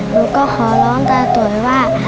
หนูก็ขอร้องตาตุ๋ยว่า